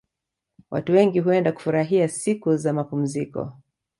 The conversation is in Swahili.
Watu wengi huenda kufurahia siku za mapumziko